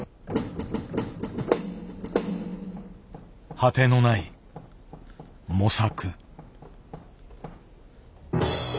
果てのない模索。